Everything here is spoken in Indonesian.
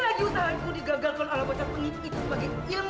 lagi lagi utanganku digagalkan ala baca penyimpi sebagai ilmu saktiaku